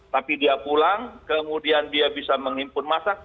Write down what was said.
tapi dia pulang kemudian dia bisa menghimpun masak